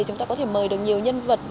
chúng ta có thể mời được nhiều nhân vật